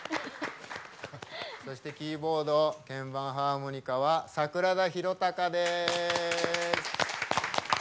そしてキーボード鍵盤ハーモニカは櫻田泰啓です。